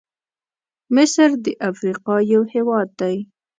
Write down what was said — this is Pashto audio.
مصرد افریقا یو هېواد دی.